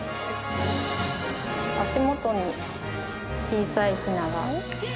足元に小さいヒナが。